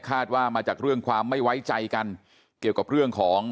ว่ามาจากเรื่องความไม่ไว้ใจกันเกี่ยวกับเรื่องของ